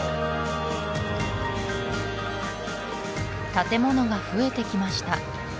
建物が増えてきました